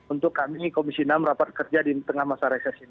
untuk kami komisi enam rapat kerja di tengah masa resesi